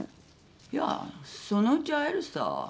いやそのうち会えるさ。